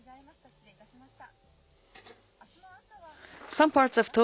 失礼いたしました。